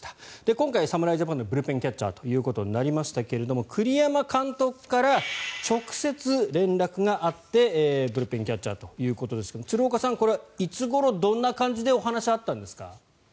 今回、侍ジャパンのブルペンキャッチャーとなりましたが栗山監督から直接、連絡があってブルペンキャッチャーということですが鶴岡さん、これはいつごろ、どんな感じでお話があったんですか？